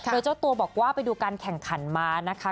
โดยเจ้าตัวบอกว่าไปดูการแข่งขันมานะคะ